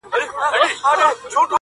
پتڼ خو نه یم چي د عقل برخه نه لرمه!.